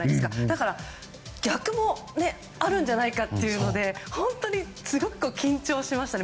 だから逆もあるんじゃないかというので本当にすごく緊張しましたね